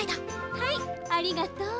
はいありがとう。